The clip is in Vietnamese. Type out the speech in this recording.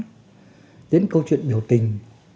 dẫn đến câu chuyện biểu tình